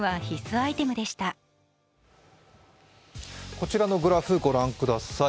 こちらのグラフご覧ください。